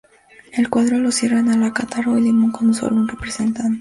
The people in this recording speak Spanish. El cuadro lo cierran la Cartago y Limón con solo un representante.